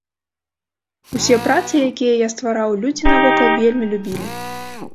Усе працы, якія я ствараў, людзі навокал вельмі любілі.